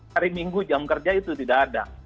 hari minggu jam kerja itu tidak ada